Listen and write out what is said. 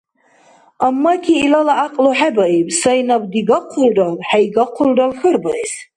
Аммаки илала гӀякьлу хӀебаиб сай наб дигахъулрал, хӀейгахъулрал, хьарбаэс.